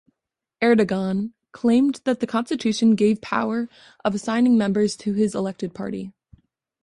Erdogan claimed that the constitution gave power of assigning members to his elected party.